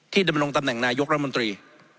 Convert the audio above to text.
ที่จะมาลงตำแหน่งนายยกรัฐมนตรี